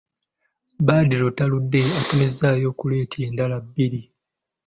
Badru taludde atumizzaayo kuleeti endala bbiri!